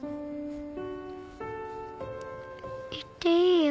行っていいよ。